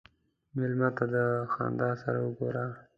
مېلمه ته د خندا سره وګوره.